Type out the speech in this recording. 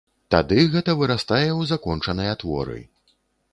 Тады гэта вырастае ў закончаныя творы.